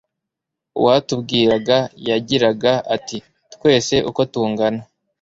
uwatubwiraga yagiraga ati twese uko tungana